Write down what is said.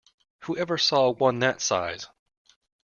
Who ever saw one that size?